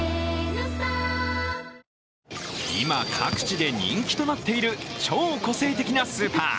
今、各地で人気となっている超個性的なスーパー。